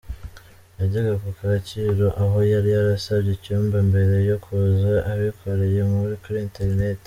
Yajyaga ku Kacyiru aho yari yarasabye icyumba mbere yo kuza, abikoreye kuri internet.